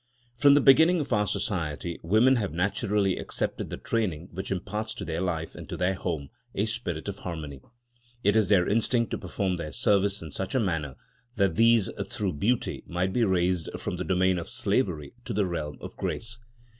From the beginning of our society, women have naturally accepted the training which imparts to their life and to their home a spirit of harmony. It is their instinct to perform their services in such a manner that these, through beauty, might be raised from the domain of slavery to the realm of grace.